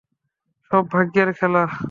সব ভাগ্যের খেলা।